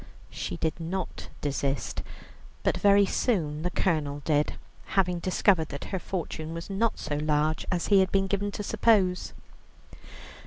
She did not desist, but very soon the Colonel did, having discovered that her fortune was not so large as he had been given to suppose.